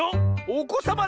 ⁉おこさま